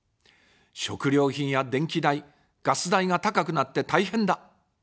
食料品や電気代、ガス代が高くなって大変だ。